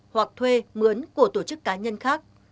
hoặc thuê mướn của tổ chức cá nhân khác